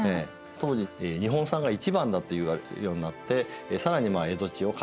当時「日本産が一番だ」と言われるようになって更に蝦夷地を開発してですね